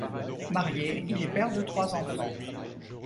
Marié, il est père de trois enfants.